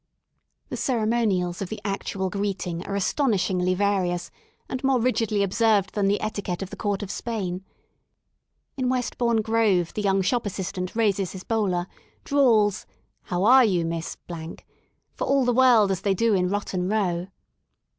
The ceremonials of the actual greeting are astonish ingly various and more rigidly observed than the etiquette of the Court of Spain. In Westbourne Grove the young shop assistant raises his bowler, drawls How are you, Miss ?" for all the world as they do in Rotten Row.